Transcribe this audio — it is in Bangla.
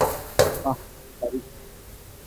বাঃ কী তারিফ!